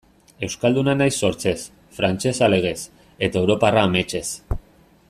Euskalduna naiz sortzez, frantsesa legez, eta europarra ametsez.